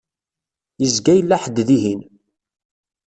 Yezga yella ḥedd dihin.